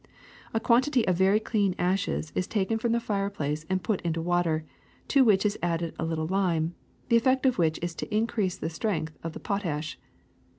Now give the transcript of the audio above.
A quantity of very clean ashes is taken from the fireplace and put into water, to which is added a little lime, the effect of which is to increase the strength of the potash.